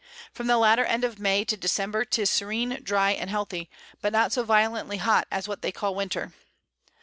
From the latter End of May to December 'tis serene, dry and healthy, but not so violently hot as what they call Winter.